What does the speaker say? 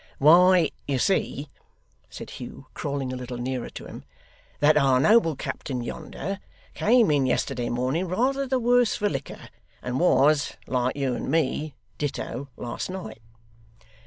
'Why, you see,' said Hugh, crawling a little nearer to him, 'that our noble captain yonder, came in yesterday morning rather the worse for liquor, and was like you and me ditto last night.